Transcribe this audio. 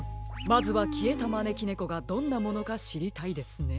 まずはきえたまねきねこがどんなものかしりたいですね。